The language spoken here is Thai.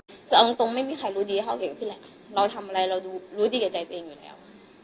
เอาจริงต้องไม่มีใครรู้ดีข้าวเก่งขั้นยังเราทำอะไรเราดูรู้ดีใจตัวเองอยู่แล้ว